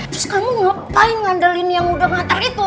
terus kamu ngapain ngandelin yang udah ngantar itu